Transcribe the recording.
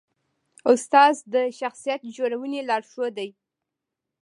استاد د شخصیت جوړونې لارښود دی.